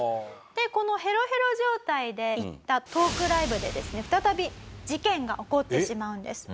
でこのヘロヘロ状態で行ったトークライブでですね再び事件が起こってしまうんです。